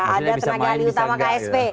ada tenaga alih utama ksp